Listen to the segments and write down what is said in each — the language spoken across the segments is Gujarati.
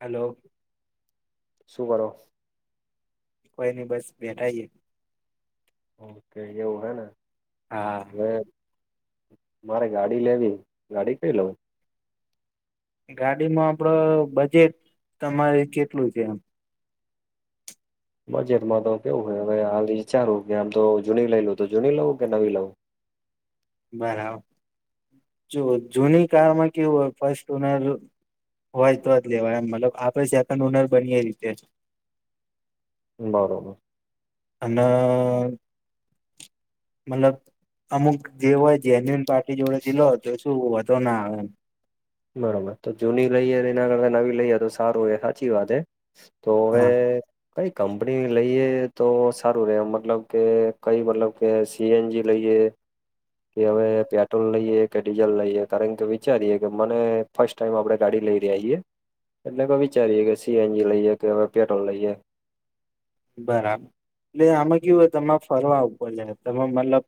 હેલો! શું કરો કોઈ નહી બસ બેઠા છીએ. હ કય જવું હ ન હા. હવે મારે ગાડી લેવી, ગાડી કઈ લઉ? ગાડીમાં આપડ બજેટ તમારે કેટલું છે આમ? બજેટમાં તો કેવું હોય હવે હાલ વિચારું કે આમ તો જૂની લઈ લઉ તો જૂની લઉ કે નવી લઉ? બરાબર જો જૂની કારમાં કેવું હોય ફર્સ્ટ ઓનર હોય તો જ લેવાય એમ મતલબ આપે સેકડ ઑવનર બનીએ એ રીતે જ બરોબર અન મતલબ અમુક જે હોય જેન્યુન પાર્ટી જોડેથી લો તો શું વોધો ના આવે એમ બરોબર તો જૂની લઈએ એના કરતા નવી લઈએ તો સારું એ હાચી વાત હે? તો હવે હા કઈ કંપનીની લઈએ તો સારું રે મતલબ કે કઈ મતલબ કે સીએનજી લઈએ કે હવે પેટ્રોલ લઈએ કે ડીઝલ લઈએ કારણ કે વિચારીએ કે મને ફસ્ટ ટાઈમ આપડે ગાડી લઈ રહ્યા છીએ. એ તો વિચારીએ કે સીએનજી લઈએ કે હવે પેટ્રોલ લઈએ બરાબર એટલે આમાં કેવું હોય તમારે ફરવા ઉપર છે તમે મતલબ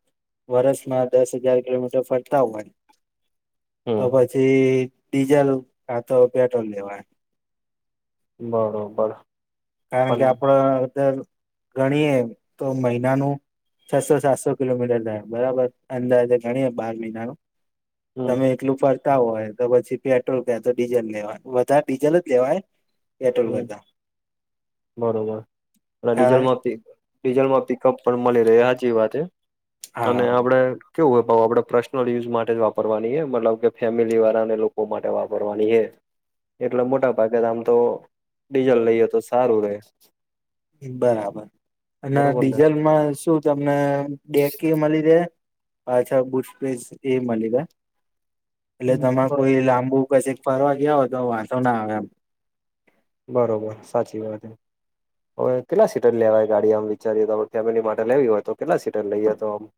વરષમાં દસ હજાર કિલોમીટર ફરતા હોય તો પ હમ. છી ડીઝલ કા તો પેટ્રોલ લેવાય. બરોબર. કારણ કે પણ આપડ દર ગણીએ તો મહિનાનું છસો સાતસો કિલોમીટર થાય બરાબર અંદાજે ઘણીએ બાર મહિનાનું હમ. તમે એટલું ફર તા હોય તો પછી પેટ્રોલ કા તો ડીઝલ લેવાય વધારે ડીઝલ જ લેવાય પેટ્રોલ હમ કરતા. બરોબર અને હા ડીઝલમાં પી ડીઝલમાં પીકપ પણ મળી રહે હે હાચી વાત હે. અને હા આપડે કેવું હોય પાહું આપડે પર્સનલ યુઝ માટે જ વાપરવાની એ મતલબ કે ફેમિલીવાળાને લોકો માટે વાપરવાની એ. એટલે મોટા ભાગે આમ તો ડીઝલ લઈએ તો સારું રે. બરાબર અને બરોબર ને. ડીઝલમાં શું તમને બેેક એ મલી રે પાછળ બઉ સ્પેસ એ મલી રે એટલે તમારે કોઈ લાંબુ પછી ફરવા ગયા હો તો વાંંધો ના આવે એમ. બરોબર. સાચી વાત હે. હવે કેટલા સીટર લેવાય? ગાડી આમ વિચારીએ તો આપ ફેમિલી માટે લેવી હોઈ તો કેટલા સીટર લઈએ તો આમ?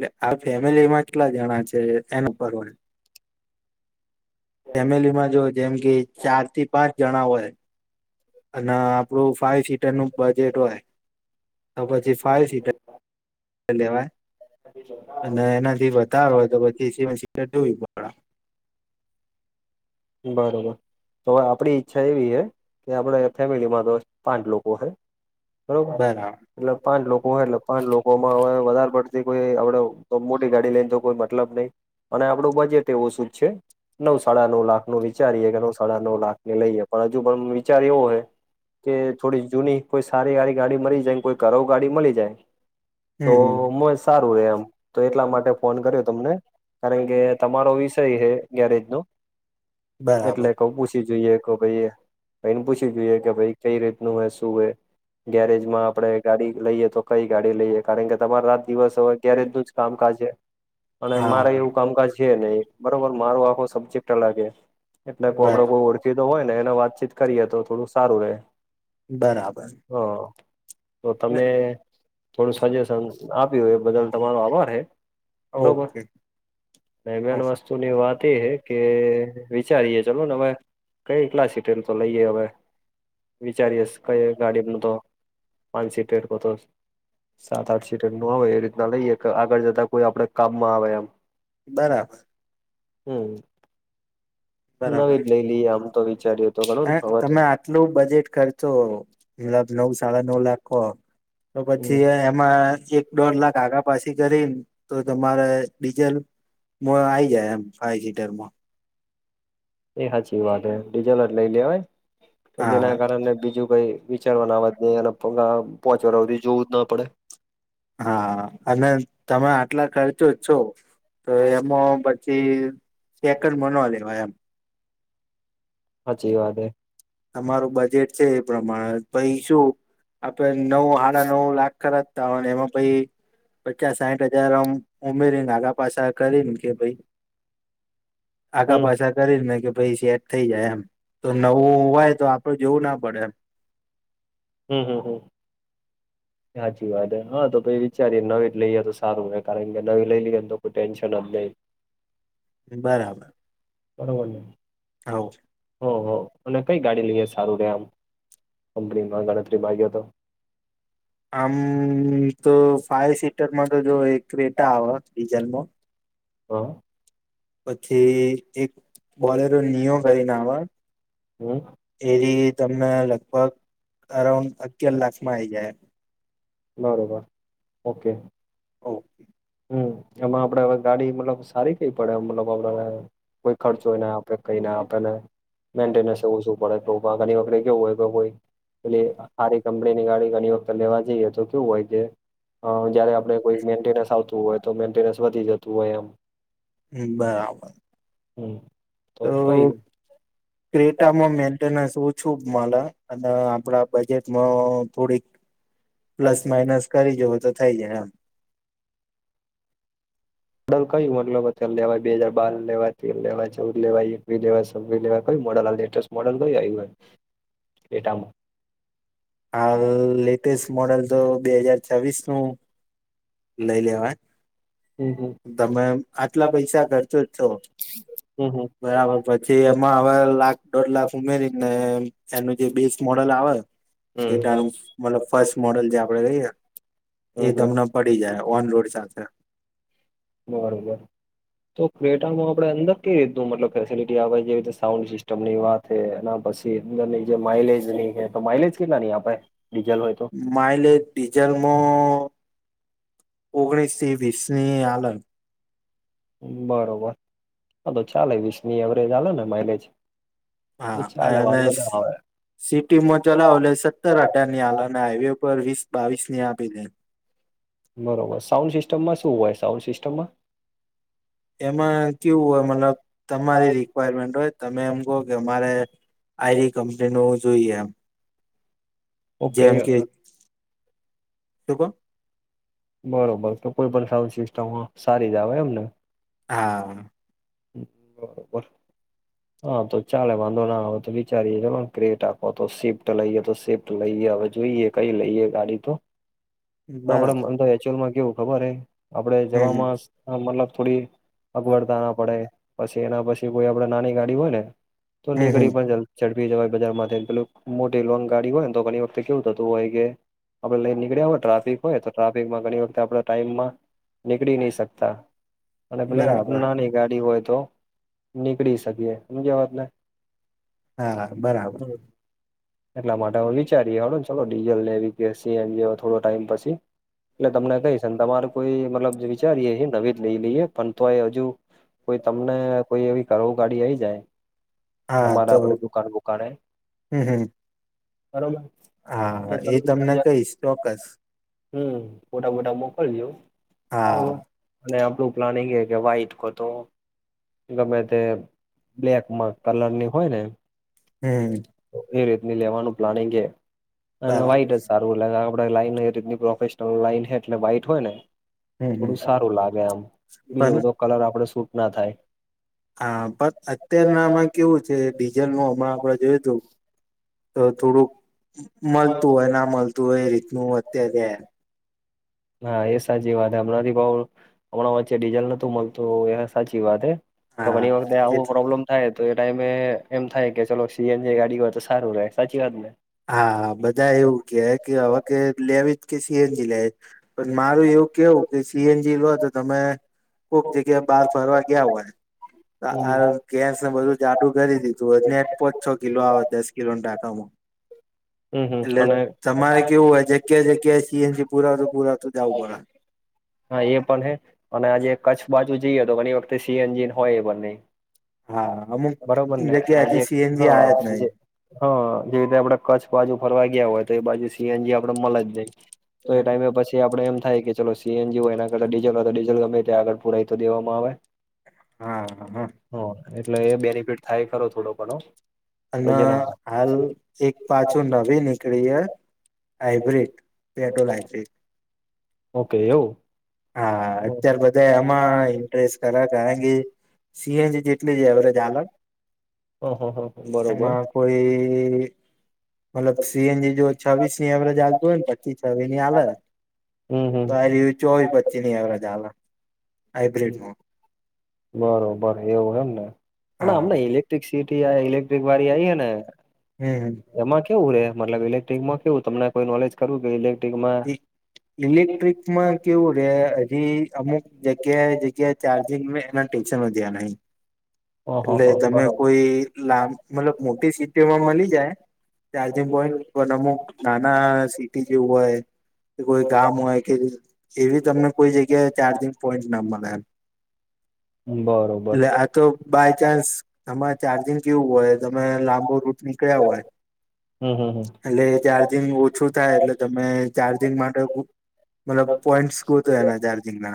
એટલે આ ફેમિલીમાં કેટલા જણા છે? એના પર હોય. ફેમિલીમાં જો જેમકે બરોબર ચાર થી પાંચ જણા હોય. અને આપણું ફાઈવ સીટરનું બજેટ હોય. તો પછી ફાઈવ સીટર લેવાય. અને એનાથી વધ વધારે હોય તો, પછી સેવન સીટર જોવી પડ બરોબર. તો આપડી ઈચ્છા એવી હૈ. કે આપડે ફેમિલીમાં તો પાંચ લોકો હે. બરોબર. બરાબર. એટલે પાંચ લોકો હોય. એટલે પાંચ લોકોમાં હવે વધારે પડતી કોઈ આપડે મોટી ગાડી લઈને તો કોઈ મતલબ નઈ. અને આપણું બજેટ એ ઓછું જ છે. નવ સાડા નવ લાખ નો વિચારીએ કે નવ સાડા નવ લાખ ને લઈએ. પણ હજુ પણ વિચાર એવો હે કે થોડી જૂની કોઈ સારી એવી ગાડી મળી જાય. કોઈ કરવ ગાડી મળી જાય. તો હમ મોય સારું રે એમ. તો, એટલા માટે ફોન કર્યો તમને. કારણ કે તમારો વિષય હે ગેરેજનો. એટલે બરાબર કઉ પૂછી જોઈએ કે ભાઈ ભાઈને પૂછી જોઈએ કે ભાઈ કઈ રીતનુ હોય, શું હોય, ગેરેજમાં આપણે ગાડી લઈએ તો કઈ ગાડી લઈએ? કારણ કે તમારો રાત દિવસ હવે ગેરેજનું જ કામકાજ છે. અને હા મારે એવું કામકાજ છે નય. બરોબર મારો આખો સબ્જેક્ટ અલગ એ એટલે આપડે બરાબર બોવ ઓળખીતા હોય ને, એને વાતચીત કરીએ તો, થોડું સારું રે. બરાબર. હ તો તમે થોડું સજેશન આપ્યું એ બદલ તમારો આભાર હે બરોબર. ઓકે. ને મેન વસ્તુની વાત એ હે કે વિચારીએ ચાલો ને હવે કઈ એટલા સિટેલ તો લઈએ હવે. વિચારીઆસ કઈ અવે ગાડી ન તો પાંચ સીટર હોતો સાત આઠ સીટરનો હોય એ રીતના લઈએ કે આગળ જતા કોઈ આપડે કામમાં આવે એમ. બરાબર. હમમ બરાબર નવી જ લઈ લઈએ આમ તો, વિચાર્યું તો ગણો ને હા, હવે તો તમે આટલું બજેટ ખર્ચો મબ નવ સાડા નવ લાખો તો હમ પછી એ માં એક દોઢ લાખ આગા પાછી કરી તો તમારે ડીજલ માં આયી જાય એમ. ફાઇ સીટરમાં એ સાચી વાત હે. ડીઝલ જ લઈ લેવાય કે હા જેના કારણે બીજું કઈ વિચારવાનું આવાજ નય અને પાંચ વરસ સુધી જોવું જ ના પડે. હા અને તમે આટલા ખર્ચો જ છો તો એમાં પછી સેકડમાં ન લેવાય એમ. હાચી વાત એ. તમારું બજેટ છે એ પ્રમાણે પઇ શું આપડે નવ સાડા નવ લાખ ખર્ચતા હોયને એમાં પહિ પચાસ સાઠ હજાર આમ ઉમેરીને આગા પાછા કરીને કે ભાઈ આગા હમ પાછા કરી ને કે ભાઈ સેટ થઇ જાય એમ. તો નવું હોય તો, આપડે જોવું ના પડે એમ. હમ હમ હમ [inaudible] સાચી વાતે હ હા તો પાહિ વિચારીએ નવી જ લઈએ તો સારું હો કારણ કે નવી લઈ લઈએ ને તો કોઈ ટેન્શન જ નહી. બરાબર [unintelligible] હવ ઓ હો અને કઈ ગાડી લઈએ સારું રે આમ કંપનીમાં ગણતરીમાં આઇએ તો અમમમ તો ફાઈવ સીટરમાં તો જો એક ક્રીએટા આવે ડીઝલમાં હ પછી એક બોલેનો નિઓ કરીને આવ હમ એવી તમને લગભગ અરાઉન્ડ અગિયાર લાખમાં આઈ જાય. બરોબર, ઓકે. [inaudible] હમ એમાં આપડે હવે ગાડી મતલબ સારી કઈ પડે મતલબ આપે કોઈ ખર્ચોએ ના આપે કઈને આપણને મેન્ટેનસ ઓછું પડે તો ઘણી વાર આપણે કેવું હોય કે કોઈ એટલે હારી કંપનીની હારી ગાડી ઘણી વખત લેવા જઈએ તો કેવું હોય કે હ જયારે આપણે કોઈ મેન્ટેનસ આવતું હોય તો મેન્ટેનન્સ વધી જતું હોય એમ હમ્મ બરાબર હમ્મ. તો ક્રેટામાં મેન્ટેનન્સ ઓછું મલ અને આપણા બજેટમાં થોડીક પ્લસ માઇનસ કરી જોવઓ તો થઈ જાય આમ બહુ ક્યું મોડલ લેવાય બે હજાર બાર લેવાય, તેર લેવાય, ચૌદ લેવાય, એકવી લેવાય, છવી લેવાઈ ક્યું મોડલ આવે લેટેસ્ટ? મોડલ કયું આયુ હોય [inaudible] ક્રિયેટામાંં હાલ લેટેસ્ટ મોડેલ તો બે હાજાર છવીસ નું લઈ લેવાય. હમ હમ તમે આટલા પૈસા ખર્ચો જ છો હમ્મ-હમ્મ. બરાબર પછી એમાં હવે લાખ દોઢ લાખ ઉમેરીને એનું જે બેસ્ટ મોડલ આવેને હમ [unintelligible] મતલબ ફસ્ટ મોડલ જે આપડે લઈએ ના હમ એ હમ તમને પડી જાય ઓન રોડ સાથે બરોબર તો ક્રેટામાં આપણે અંદર કઈ રીતનું મતલબ ફેસિલિટી આવે જેવી રીતે સાઉન્ડ સિસ્ટમની વાત તે એના પછી અંદરની જે માઇલેજ ની તો માઇલેજ કેટલા ન આપે ડીઝલની હોય? તો માઇલેજ ડીજલમાં ઓગણીસ થી વીસની આલન બરોબર હા તો ચાલે વીસની એવરેજ આલેને માઇલેજ એ હા ચાલે અને વાંધો ના આવે સિટીમાં ચલાવ એટલે સત્ત ર-અઢાર ની આ ના ને હાઈવે પર વીસ-બાવીસની આપી દે બરોબર, સાઉન્ડ સિસ્ટમમાં શું હોય? સાઉન્ડ સિસ્ટમમાં? એમાં કેવું હોય મતલબ સિસ્ટમમાં તમારી રિક્વાયરમેન્ટ હોય તમે એમ કહો કે અમારે આઈરી કંપનીનું જોઈએ એમ ઓકે જેમ કે, શું કો? બરોબર તો કોઈ પણ સાઉન્ડ સિસ્ટમ સારી જ આવે એમ ને. હા. બરોબર. [inaudible] અ તો ચાલે વાંધો ના આવે તો વિચારીએ અ ગ્રેટ આપો, તો સિપ્ટ લઈએ તો સિપ્ટ તો લઈએ હવે જોઈએ, કઈ લઈએ ગાડી તો. આપડે બરાબર અમ્મ તો એચ્યુલમાં કેવું ખબર હે, આપડે હમ જવામાં મતલબ થોડી અગવડતા પડે. પસી એના પસી કોઈ આપડે નાની ગાડી હોય ને, તો હમ હમ નીકળી પણ જ ઝડપી જવાય બજાર માંથે પેલું મોટી લોન ગાડી હોય ન, તો ઘની વખતે કેવું થતું હોય કે આપણે લઈ નીકળી આવો ટાટ. [unintelligible] હોયે થતા, ટ્રાફીકમાં ઘણી વખતે આપણે ટાઈમમાં નીકળી ની શકતા. અને પેલી બરાબર નાની ગાડી હોય, તો નીકળી શકીએ [unintelligible] વાત ને. હા હા, બરાબ હમ. એટલા માટે અવે વિચારી અલો ન ચલો ડીઝલ લેવી કે સી એન જી, અવે થોડો ટાઈમ પસી. એટલે તમને કઈશ ને તમાર કોઈ મતલબ જે વિચારીએે એ નવી જ લઈ લએ પન તોયે અજુ કોઈ તમને કોઈ એવી [unintelligible] ગાડી આયી જાય. હા અમારા તો આપડે દુકાણ બુકાણે હમ હમ બરોબર, તો [inaudible] ચોક્કેસ હમ્મ, ફોટા-મોટા મોકલજો. હા... ને આપડુ પ્લાનિંગ એ કે વાઇટ કો તો ગમે તે બ્લેકમાં કલરની હોય ને. હમ્મ. એ રીતની લેવાનું પ્લાનિંગે અને બરાબર વાઈટ જ સારૂ. તો [inaudible] આપડે લાઈન એ રીતની પ્રોફેશનલ લાઈન હે એટલે વાઇટ હોય ને. હમ હમ થોડું સારું લાગે આમ. બીજો પણ બધો કલર આપડે સૂટ ના થાય. આ પન અત્યારના આમાં કેવું છે, ડીઝલ નું અમણાં આપડે જોએ તો ત થોડુંક મલતું ઓય ના મલતું હોય, એ રીતનું અત્યારે હા, એ સાચી વાત. હમણાં થી બઉ હમણાં વચ્ચે ડીઝલ નોતું મલતું, એ વાત સાચી વાત હૈ. તો હા ઘની વખ્તે આવો એટલે પ્રોબ્લેમ થાય તો એ ટાઈમે એમ થાય કે, ચલો સીએનજી ગાડી હોય તો સારું રેય. સાચી વાત ને. હા, બધા એવું કેય કે હમ. અવે કે લેવી જ કે સીએનજી લે. પન મારુ એવુ કેવુ કે સીએનજી લો, તો તમે કોક જગ્યા બાર ફરવા ગીયા હોયે આ આરર.. ગેસ ને બધું જાઠું કરી દીધુ એટલે પોંચ છો કિલો આવે દસ કિલો ટાંકમં. હમ હમ એટલે અને તમારે કેવું હોય, જગ્યા-જગ્યાએ સીએનજી પુરાતું પુરાવતું જાવું પડે. હા, એ પણ હે અને આજે કચ્છ બાજુ જઈએ, તો ઘણી વખતે સી એન્જિન હોય એ બન્ને. હા, અમુક બરોબર ને જગ્યા આજે, હજી હ સીએનજી આયા જ જે. હ. જેવી રીતે આપડે કચ્છ બાજુ ફરવા ગિયા હોય, તો એ બાજુ સીએનજી આપડે મલે જ નઈ. તો એ નહી ટાઈમે પસ્ તે આપડે એમ થાય કે ચલો સીએનજી હોય એના કરતા ડીઝલ હોય, તો ડીઝલ ગમે તે આગળ પુરાય તો દેવામાં આવે. હા, હા. હ એટલે એ બેનિફિટ થાય ખરો થોડો ઘણો. અન તો જેના હાલ, એક પાછું નવી નીકળી હે. હાઈબ્રિડ પેટોલ હાઈબ્રિડ ઓકે, એવો. હાઆઆ, અત્યાર બ તે એમાં ઇન્ટરેસ કરા કાય કે, સીએનજી જેટલી જ એવરેજ હાલ. ઓ હો હો બરો કોઈ સીએનજી જો છીસ ની એવરેજ હાલતું હોય તો, પચી છવી ની આવે. હમ હમ તો ચોવીસ પચી ની, એવરેજ હાલે હાઈબ્રિડમાં બરોબર એવું હૈને, અને હા અમને ઇલેક્ટ્રસિટી ઇલે વાડી આઈ હ ને. હમ એમાં કેવું હોય, એ મતલબ ઇલેક્ટ્રિકમાં કેવું તમને કોઈ નોલેજ કરવું કે ન ઇલેક્ટ્રિક. એમાં કેવું રે હજી અમુક જગ્યાએ, જગ્યાએ ચાર્જિંગ એના ટેન્શન વધ્યા નહી. ઓહ હો એટલે તમે બરોબર કોઈ લામ મતલબ મોટી સીટીમાં મલી જાય. ચાર્જિંગ વોઈન પન અમુક નાના સીટી જેવું હોય. કોઈ ગામ હોય કે એવી તમને કોઈ જગ્યાએ ચાર્જિંગ પોઈન્ટ ના મલે એમ. એટલે આ બરોબર. તો. બાય ચાન્સ, આમા ચાર્જિંગ થ્યુ હોય, તમે લાંબો રૂત નીકળ્યા હોય. હં હં હ. એલે ચાર્જિંગ ઓછું થાય, એટલે તમે ચાર્જિંગ માટે મતલબ પોઈન્સ ગોતો, એના ચાર્જિંગ ના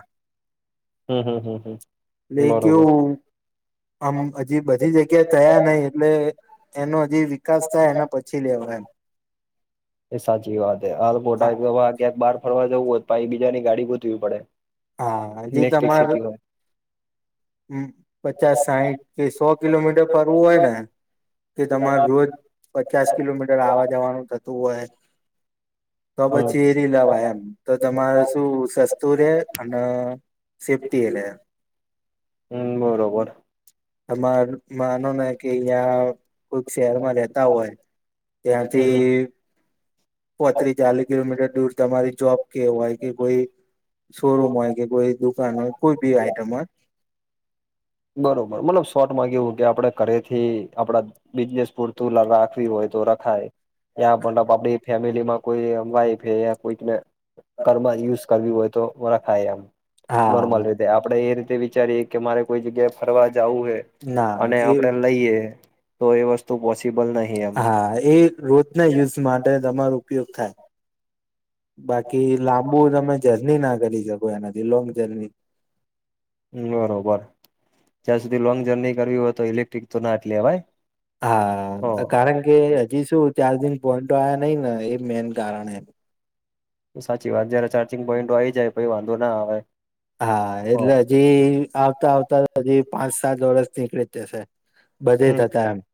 હં, એટલે હં, બરોબર. કેવું આમ અજી બધી જગ્યા એ તયા નઇ એટલે. એનો જી વિકાસ થાય, એના પછી લેવા એમ. એ સાચી વાત, એ આલ બોટા જોવા ક્યાંક બહાર ફરવા જવું હોય, પાઇ બીજાની ગાડી ગોતવી પડે. હા, હજી ત ઇલેક્ટ્રિક હમાર સિટી હોય પચા સાઇટ [unintelligible] થી સો કિલોમીટર કરવું હોય ને, તે તમારે રોજ પચાસ કિલો મીટર આવવા જવાનું થતું હોય, તો હમ પછી લાવા એમ તો તમારે શું સસ્તું રે, અને સેફટી એરે? હ, બરોબર. હમાર માનો નઇ. કે યાં કોઈક શહેરમાં રેતા હોય ત્યાંથી. હમ પોત્રી ચાલી કિલોમીટર દૂર તમારી જોબ કે હોઈ કે કોઈ શોરૂમ હોય કે, કોઈ દુકાન હોય, કોઈ બી આઈટમ હોય. બરોબર, મતલબ શોટ માં કેવું કે, આપણે કરે થી આપડા બિદનેસ પૂરતુ લ રાખવી હોય તો રખાય. યા આપડી ફેમિલીમાં કોઈ [unintelligible] કરવી હોય, તોવા ખાયમ નોળમલ હા રીતે આપડે એ રીતે વિચારીએ કે મારે. કોઈ જગ્યાએ ફરવા જાવું હે, ના અને એ આપડે લઈએ તો એ વસ્તુ પોસિબલ નહી. એમ હા, એ રોજના યુસ માટે તમારે ઉપયોગ થાય. બાકી લાંબુ તમે જર્ની ના કરી શકો, એનાથી લોંગ જર્ની. બરોબર, જ્યાં સુધી લોંગ જર્ની કરવી હોય તો, ઇલેક્ટ્રિક તો નાત લેેવાય. હા, કારણ કે હજી શું ચારજીન પોઈન્ટો આયા નઇ ન એ મેન કારણ હે [unintelligible] સાચી વાત, જયારે પોઈન્ટો આયી જાઈ પઈ વાંધો ના આવે. હા, હ એટલે હજી આવતા આવતા, પાંચ-સાત વર્ષ નીકળી જ જશે. હમ બધેય નકામા એમ.